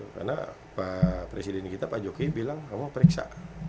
karena presiden kita pak jokowi bilang kamu periksa